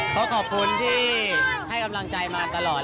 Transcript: ก็ขอบคุณที่ให้กำลังใจมาตลอด